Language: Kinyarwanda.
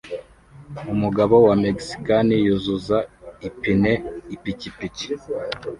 umugabo wa mexikani yuzuza ipine ipikipiki